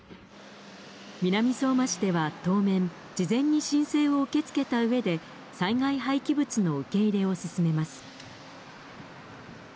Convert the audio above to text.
南相馬市では当面、事前に申請を受け付けたうえで、災害廃棄物の受け入れを進めます。